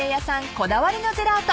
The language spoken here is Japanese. こだわりのジェラート